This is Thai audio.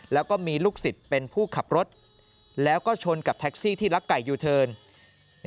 แล้วก็มีลูกศิษย์เป็นผู้ขับรถแล้วก็ชนกับแท็กซี่ที่ลักไก่ยูเทิร์น